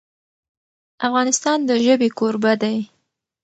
افغانستان د ژبې کوربه دی.